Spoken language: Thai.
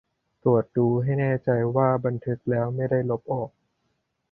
ตรวจดูให้แน่ใจว่าบันทึกแล้วไม่ได้ลบออก